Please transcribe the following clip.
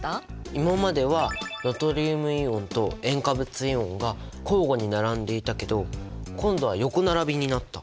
今まではナトリウムイオンと塩化物イオンが交互に並んでいたけど今度は横並びになった。